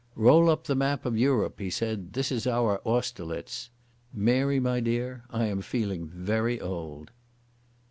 "Roll up the map of Europe," he said. "This is our Austerlitz. Mary, my dear, I am feeling very old."